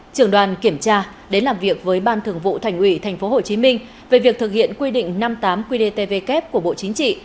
trường đoàn kiểm tra đến làm việc với ban thường vụ thành ủy tp hcm về việc thực hiện quy định năm mươi tám qdtvk của bộ chính trị